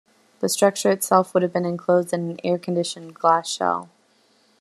The structure itself would have been enclosed in an air conditioned glass shell.